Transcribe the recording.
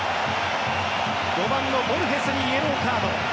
５番のボルヘスにイエローカード。